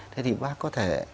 thế thì bác có thể